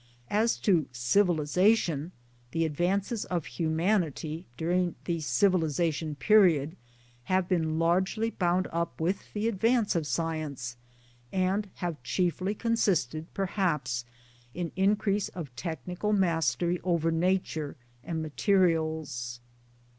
As to Civilization the advances of Humanity during the Civilization period have been largely bound up with the advance of Science and have chiefly consisted perhaps in increase of technical mastery over Nature and materials.